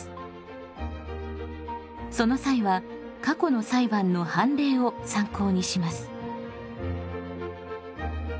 その際は過去の裁判の判例を参考にします。